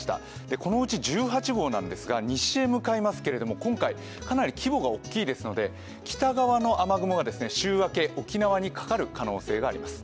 このうち１８号は西へ向かいますけれども、かなり規模が大きいですので北側の雨雲が、週明け沖縄にかかる可能性があります。